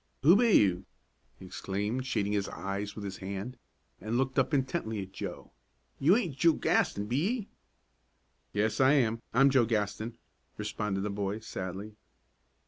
"Who be you?" he exclaimed, shading his eyes with his hand, and looking up intently at Joe. "You aint Joe Gaston, be ye?" "Yes, I am; I'm Joe Gaston," responded the boy, sadly.